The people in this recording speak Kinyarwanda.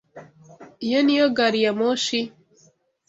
Iyo niyo gariyamoshi?